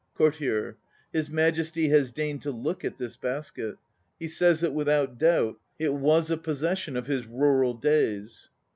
COURTIER. His Majesty has deigned to look at this basket. He says that with out doubt it was a possession of his rural days.